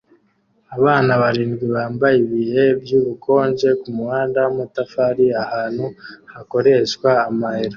Abana barindwi bambaye ibihe by'ubukonje kumuhanda wamatafari ahantu hakoreshwa ama euro